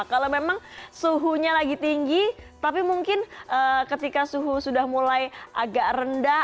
kalau memang suhunya lagi tinggi tapi mungkin ketika suhu sudah mulai agak rendah